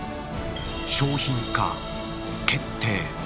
商品化決定。